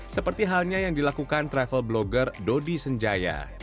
seperti halnya yang dilakukan travel blogger dodi senjaya